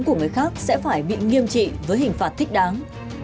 của người khác sẽ phải bị nghiêm trị với hình phạt thích đáng